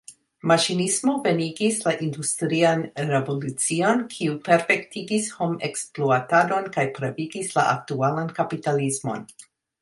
Maŝinismo venigis la industrian revolucion, kiu perfektigis homekspluatadon kaj pravigis la aktualan kapitalismon.